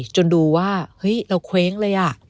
จนดูว่าเราเคว้งเลยอะ